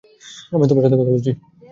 আমি তোমার সাথে কথা বলছি।